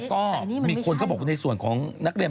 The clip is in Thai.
ก็มีคนเขาบอกว่าในส่วนของนักเรียน